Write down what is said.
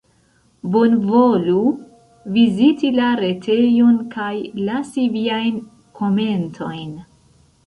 Bonvolu viziti la retejon kaj lasi viajn komentojn!